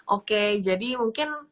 oke jadi mungkin